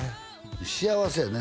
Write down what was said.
幸せやね